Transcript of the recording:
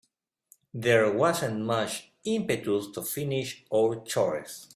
There wasn't much impetus to finish our chores.